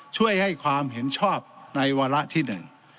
ช่วยให้ความเห็นชอบในวาระที่หนึ่ง